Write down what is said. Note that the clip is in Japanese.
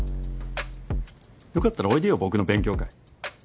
良かったらおいでよ僕の勉強会。